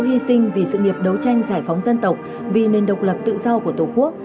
hy sinh vì sự nghiệp đấu tranh giải phóng dân tộc vì nền độc lập tự do của tổ quốc